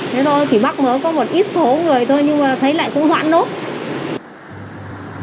thế thôi thì bắt mớ có một ít số người thôi nhưng mà thấy lại cũng hoãn đốt